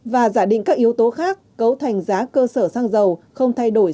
và giả định các yếu tố khác cấu thành giá cơ sở xăng dầu không thay đổi